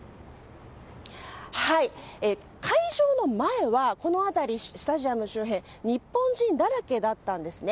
開場の前はこの辺り、スタジアム周辺は日本人だらけだったんですね。